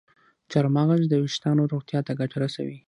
چارمغز د ویښتانو روغتیا ته ګټه رسوي.